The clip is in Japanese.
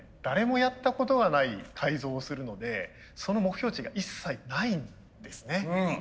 誰もやったことがない改造をするのでその目標値が一切ないんですね。